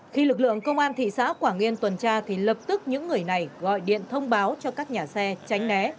khi lực lượng công an thị xã quảng yên tuần tra thì lập tức những người này gọi điện thông báo cho các nhà xe tránh né